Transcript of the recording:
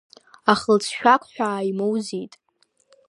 Аха лҵшәак ҳәа аимоуӡеит.